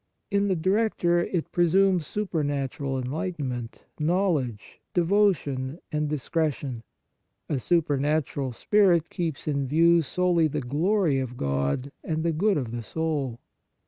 In the director it presumes super natural enlightenment, knowledge, devotion and discretion. A super natural spirit keeps in view solely the glory of God and the good of the soul.